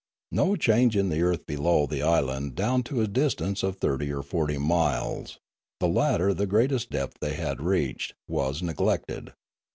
No change in the earth below the island down to a distance of thirty or forty miles (the latter the greatest depth they had reached) was neglected.